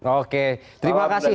oke terima kasih